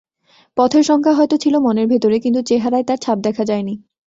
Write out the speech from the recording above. পথের শঙ্কা হয়তো ছিল মনের ভেতরে, কিন্তু চেহারায় তার ছাপ দেখা যায়নি।